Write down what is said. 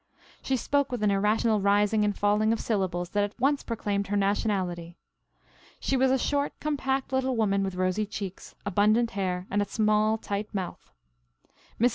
She spoke with an irrational rising and falling of syllables that at once proclaimed her nationality. She was a short, compact little woman with rosy cheeks, abundant hair and a small tight mouth. Mrs.